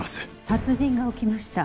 殺人が起きました。